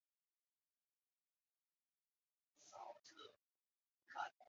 中央及地方有关部门的负责人列席了会议。